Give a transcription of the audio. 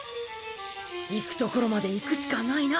行くところまで行くしかないな。